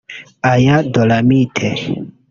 aya Dolamite